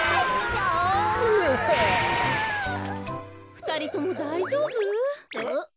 ふたりともだいじょうぶ？